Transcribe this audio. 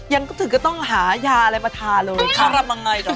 ยังถึงก็ต้องหายาอะไรมาทาเลยค่ะขระมังไงเนอะ